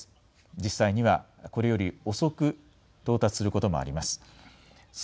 実際には、これより遅く到達することもあります。